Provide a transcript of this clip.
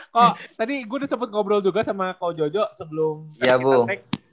ko tadi gue udah sempet ngobrol juga sama ko jojo sebelum kita break